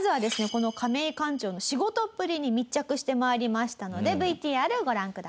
このカメイ館長の仕事っぷりに密着してまいりましたのでＶＴＲご覧ください。